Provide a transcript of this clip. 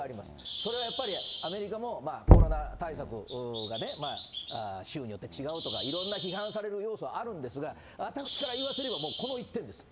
それがやっぱりアメリカもコロナ対策が州によって違うとか、いろんな批判される要素はあるんですが、私から言わせれば、もうこの一点です。